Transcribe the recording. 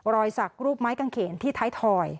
รอยสักรูปไม้กางเขนที่ท้ายถอย